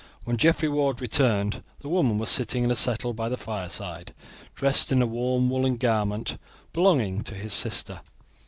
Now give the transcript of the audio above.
When Geoffrey Ward returned, the woman was sitting in a settle by the fireside, dressed in a warm woolen garment belonging to his sister.